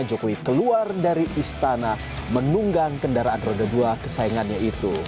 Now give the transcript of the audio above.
jokowi keluar dari istana menunggang kendaraan roda dua kesayangannya itu